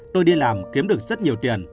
tôi đi làm kiếm được rất nhiều tiền